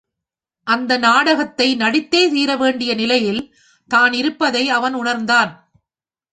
அந்த நாடகத்தை நடித்தே தீர வேண்டிய நிலையில், தான் இருப்பதை அவன் உணர்ந்தான்.